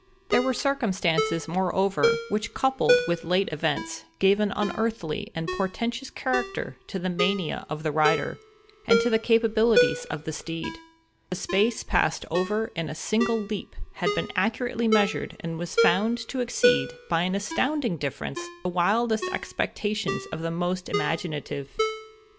There were circumstances, moreover, which coupled with late events, gave an unearthly and portentous character to the mania of the rider, and to the capabilities of the steed. The space passed over in a single leap had been accurately measured, and was found to exceed, by an astounding difference, the wildest expectations of the most imaginative.